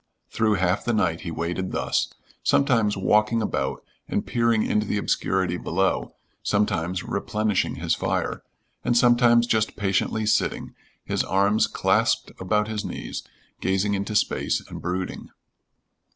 Through half the night he waited thus, sometimes walking about and peering into the obscurity below, sometimes replenishing his fire, and sometimes just patiently sitting, his arms clasped about his knees, gazing into space and brooding.